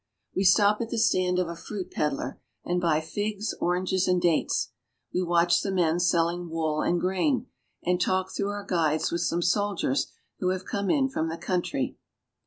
We stop at the stand of a fruit peddler and buy figs, oranges, and dates. We watch the men selling wool and grain ; and talk through our guides with some soldiers who have come in from the country.